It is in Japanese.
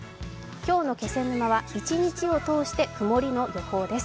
今日の気仙沼は一日を通して曇りの予報です。